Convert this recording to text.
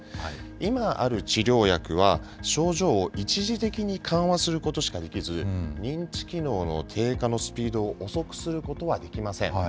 今ある治療薬は、症状を一時的に緩和することしかできず、認知機能の低下のスピードを遅くすることはできません。